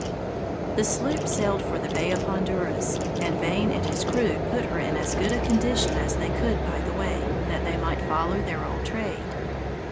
The sloop sailed for the bay of Honduras, and Vane and his crew put her in as good a condition as they could by the way, that they might follow their old trade.